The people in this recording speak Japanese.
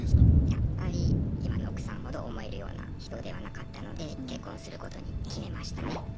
やっぱり今の奥さんほど思えるような人ではなかったので結婚することに決めましたね。